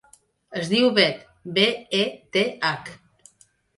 Es diu Beth: be, e, te, hac.